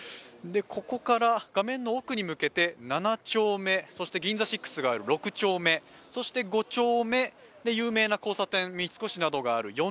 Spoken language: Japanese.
ここから画面の奥に向けて７丁目、そしてＧＩＮＺＡＳＩＸがある７丁目、そして５丁目、有名な交差点三越などがある４